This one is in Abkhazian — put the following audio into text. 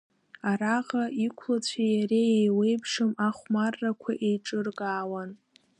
Араҟа иқәлацәеи иареи еиуеиԥшым ахәмаррақәа еиҿыркаауан.